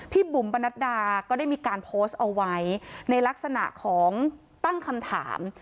บุ๋มปนัดดาก็ได้มีการโพสต์เอาไว้ในลักษณะของตั้งคำถาม